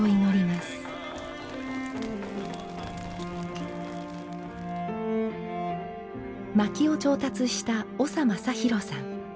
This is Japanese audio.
まきを調達した長正博さん。